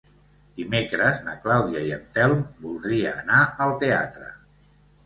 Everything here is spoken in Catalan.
Dimecres na Clàudia i en Telm voldria anar al teatre.